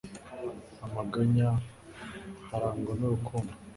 amaganya, harangwa n'urukundo